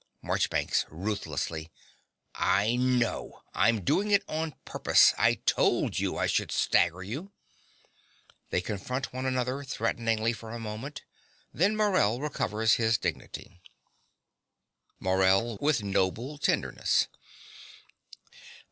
MARCHBANKS (ruthlessly). I know. I'm doing it on purpose. I told you I should stagger you. (They confront one another threateningly for a moment. Then Morell recovers his dignity.) MORELL (with noble tenderness).